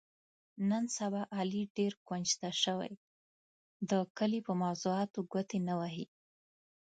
نن سبا علي ډېر کونج ته شوی، د کلي په موضاتو ګوتې نه وهي.